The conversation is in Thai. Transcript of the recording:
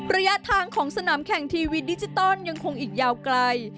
ระยะทางของสนามแข่งทีวีดิจิตอลยังคงอีกยาวไกล